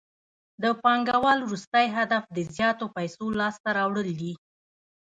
د پانګوال وروستی هدف د زیاتو پیسو لاسته راوړل دي